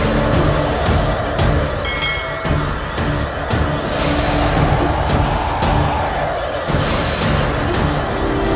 saya akan memperbaikinya